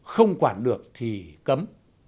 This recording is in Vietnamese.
không quản được thì cấm